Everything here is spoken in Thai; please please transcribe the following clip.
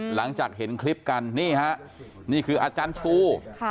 หลังจากเห็นคลิปกันนี่ฮะนี่คืออาจารย์ชู